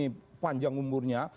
ini orang per orang ini panjang umurnya